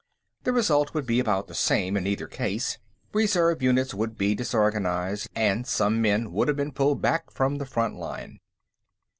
The result would be about the same in either case reserve units would be disorganized, and some men would have been pulled back from the front line.